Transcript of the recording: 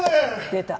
出た。